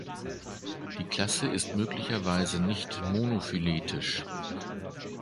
Die Klasse ist möglicherweise nicht monophyletisch.